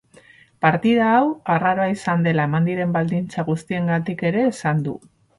Partida hau arraroa izan dela eman diren baldintza guztiengatik ere esan du.